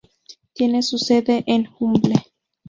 Tiene su sede en Humble.